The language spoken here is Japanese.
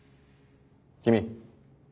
君。